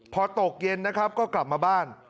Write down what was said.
พอตกเย็นนะครับก็กลับมาบ้าน